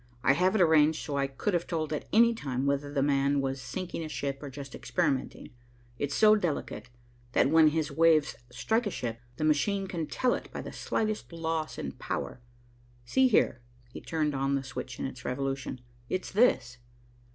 I have it arranged so I could have told at any time whether 'the man' was sinking a ship or just experimenting. It's so delicate that when his waves strike a ship, the machine can tell it by the slight loss in power. See here," he turned on the switch in its revolution, "it's this."